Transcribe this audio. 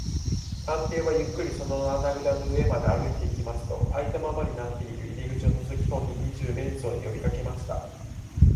探偵はゆっくりその穴ぐらの上まで歩いていきますと、あいたままになっている入り口をのぞきこんで、二十面相によびかけました。